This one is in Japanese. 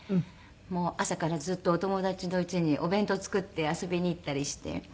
もう朝からずっとお友達の家にお弁当を作って遊びに行ったりして。